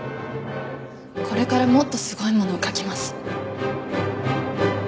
これからもっとすごいものを描きます。